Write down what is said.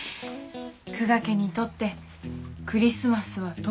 久我家にとってクリスマスは特別ですね。